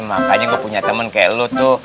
makanya gue punya temen kayak lu tuh